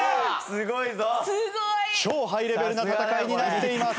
すごい！超ハイレベルな戦いになっています。